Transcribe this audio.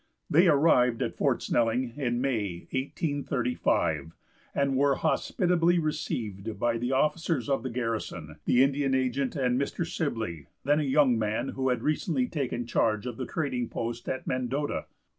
They arrived at Fort Snelling in May, 1835, and were hospitably received by the officers of the garrison, the Indian agent, and Mr. Sibley, then a young man who had recently taken charge of the trading post at Mendota.